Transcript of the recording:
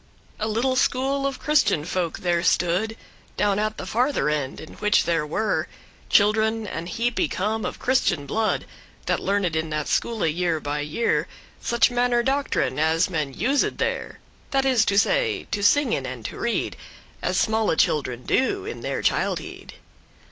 A little school of Christian folk there stood Down at the farther end, in which there were Children an heap y come of Christian blood, That learned in that schoole year by year Such manner doctrine as men used there; This is to say, to singen and to read, As smalle children do in their childhead.